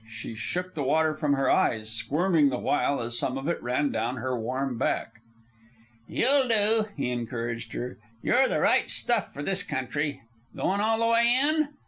She shook the water from her eyes, squirming the while as some of it ran down her warm back. "You'll do," he encouraged her. "You're the right stuff for this country. Goin' all the way in?"